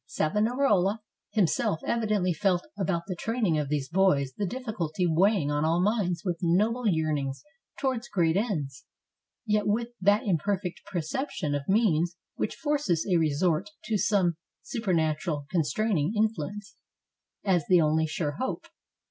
Savonarola himself evidently felt about the training of these boys the difficulty weighing on all minds with noble yearnings towards great ends, yet with that imperfect perception of means which forces a resort to some supernatural constraining influence as the only sure hope.